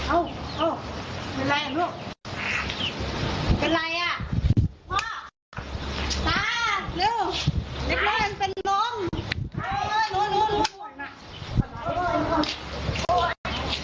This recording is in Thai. อ้าวเป็นอะไรลูก